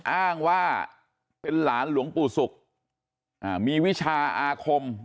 อ้างว่าเป็นหลานหลวงปู่ศุกร์มีวิชาอาคม